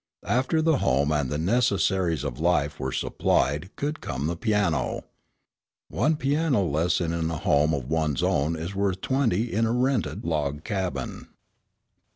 After the home and the necessaries of life were supplied could come the piano. One piano lesson in a home of one's own is worth twenty in a rented log cabin.